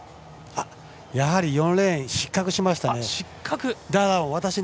４レーン、失格しましたね。